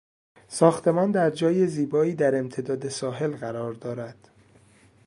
ساختمان در جای زیبایی در امتداد ساحل قرار دارد.